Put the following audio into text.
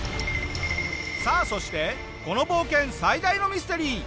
さあそしてこの冒険最大のミステリー。